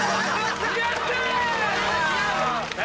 やった！